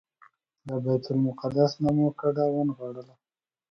له بیت المقدس نه مو کډه ونغاړله.